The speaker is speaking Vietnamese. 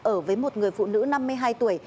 ở với một người phụ nữ năm mươi hai tuổi